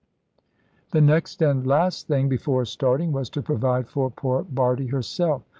The next and last thing, before starting, was to provide for poor Bardie herself.